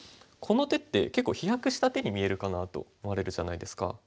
この手って結構飛躍した手に見えるかなと思われるじゃないですか。